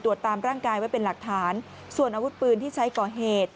ตามร่างกายไว้เป็นหลักฐานส่วนอาวุธปืนที่ใช้ก่อเหตุ